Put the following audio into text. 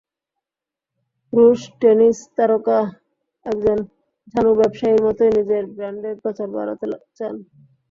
রুশ টেনিস তারকা একজন ঝানু ব্যবসায়ীর মতোই নিজের ব্র্যান্ডের প্রচার বাড়াতে চান।